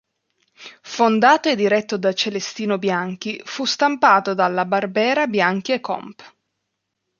Fondato e diretto da Celestino Bianchi fu stampato dalla "Barbera, Bianchi e Comp.